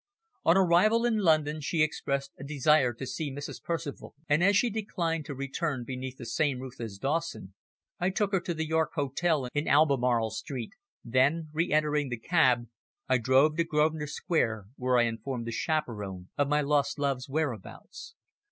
On arrival in London she expressed a desire to see Mrs. Percival, and as she declined to return beneath the same roof as Dawson, I took her to the York Hotel in Albemarle Street, then, re entering the cab, I drove to Grosvenor Square, where I informed the chaperon of my lost love's whereabouts.